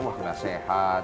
wah enggak sehat